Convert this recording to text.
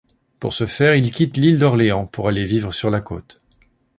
Pour ce faire, il quitte l'île d'Orléans pour aller vivre sur la côte.